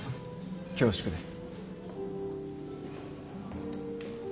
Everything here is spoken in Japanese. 恐縮です。